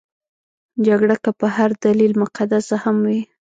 جګړه که په هر دلیل مقدسه هم وي.